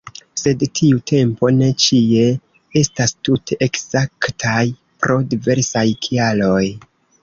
Sed tiu tempo ne ĉie estas tute ekzaktaj pro diversaj kialoj.